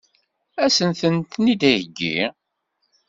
Ad sen-ten-id-iheggi?